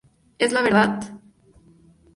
Es la verdad.